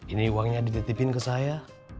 ini uangnya dititipin ke saya